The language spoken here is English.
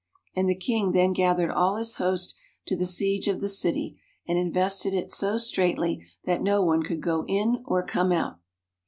And the king then gathered all his host to the siege of the city, and invested it so straitly that no one could go in or come out.